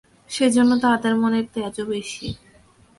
সেজন্য তাহাদের মনের তেজও বেশী।